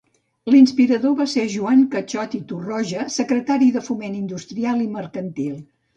L'inspirador va ser Joan Cachot i Torroja, secretari de Foment Industrial i Mercantil.